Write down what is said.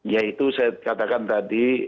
ya itu saya katakan tadi